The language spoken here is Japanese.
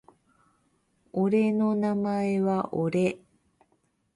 俺の名前は俺